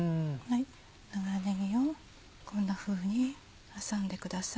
長ねぎをこんなふうに挟んでください。